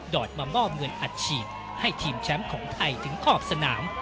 อดมามอบเงินอัดฉีดให้ทีมแชมป์ของไทยถึงขอบสนาม